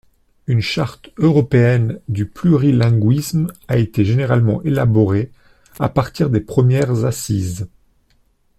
Une Charte européenne du plurilinguisme a été également élaborée à partir des premières Assises.